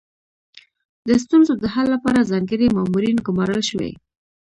د ستونزو د حل لپاره ځانګړي مامورین ګمارل شوي.